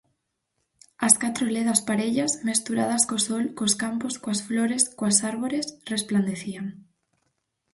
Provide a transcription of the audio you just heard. As catro ledas parellas, mesturadas co sol, cos campos, coas flores, coas árbores, resplandecían.